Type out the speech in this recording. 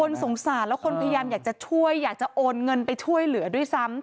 สงสารแล้วคนพยายามอยากจะช่วยอยากจะโอนเงินไปช่วยเหลือด้วยซ้ำ